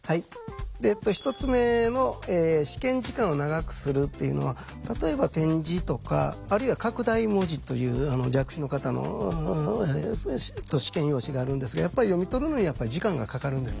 １つ目の「試験時間を長くする」っていうのは例えば点字とかあるいは拡大文字という弱視の方の試験用紙があるんですがやっぱり読み取るのに時間がかかるんですね。